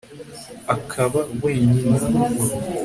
akaba wenyine